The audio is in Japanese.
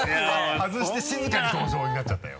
外して静かに登場になっちゃったよ。